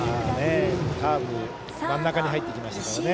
カーブ真ん中に入ってきましたからね